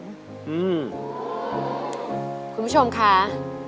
คุณผู้ชมค่ะ